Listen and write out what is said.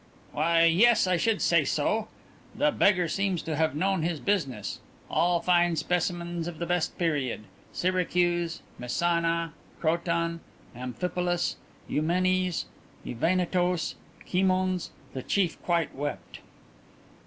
"Why, yes, I should say so. The beggar seems to have known his business. All fine specimens of the best period. Syracuse Messana Croton Amphipolis. Eumenes Evainetos Kimons. The chief quite wept."